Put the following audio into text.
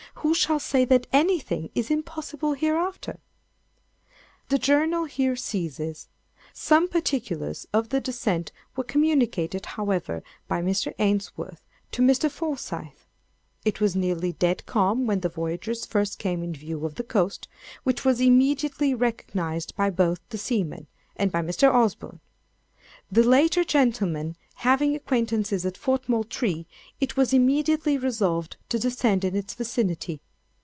Who shall say that anything is impossible hereafter?" The Journal here ceases. Some particulars of the descent were communicated, however, by Mr. Ainsworth to Mr. Forsyth. It was nearly dead calm when the voyagers first came in view of the coast, which was immediately recognized by both the seamen, and by Mr. Osborne. The latter gentleman having acquaintances at Fort Moultrie, it was immediately resolved to descend in its vicinity.